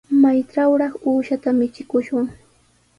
¿Maytrawraq uushata michikushwan?